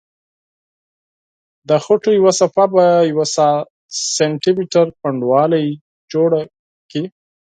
د خټو یوه صفحه په یوه سانتي متر پنډوالي جوړه کړئ.